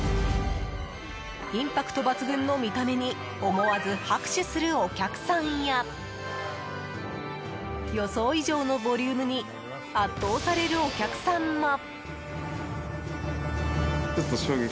インパクト抜群の見た目に思わず拍手するお客さんや予想以上のボリュームに圧倒されるお客さんも。